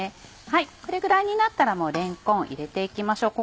これぐらいになったらもうれんこん入れて行きましょう。